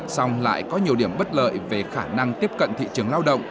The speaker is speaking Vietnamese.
song lại có nhiều điểm bất lợi về khả năng tiếp cận thị trường lao động